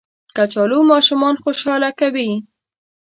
کچالو ماشومان خوشحاله کوي